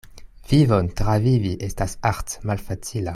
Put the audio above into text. Vivon travivi estas art' malfacila.